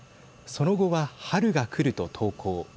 その後は春が来ると投稿。